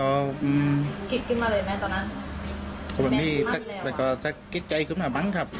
กินมาเลยไหมตอนนั้นมันมั่นแล้วแต่ก็สักกิจใจขึ้นมามั้งครับ